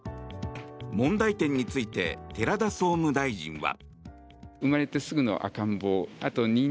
問題点について寺田総務大臣は。